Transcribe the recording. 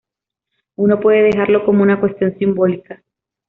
Uno puede dejarlo como una cuestión simbólica.